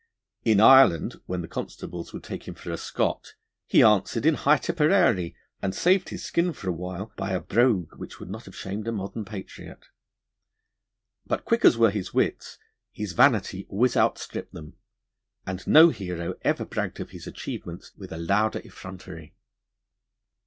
In Ireland, when the constables would take him for a Scot, he answered in high Tipperary, and saved his skin for a while by a brogue which would not have shamed a modern patriot. But quick as were his wits, his vanity always outstripped them, and no hero ever bragged of his achievements with a louder effrontery.